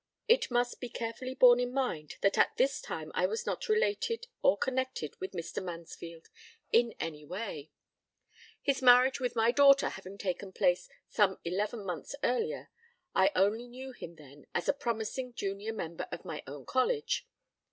It must be carefully borne in mind that at this time I was not related or connected with Mr. Mansfield in any way, his marriage with my daughter having taken place some eleven months later: I only knew him then as a promising junior member of my own College.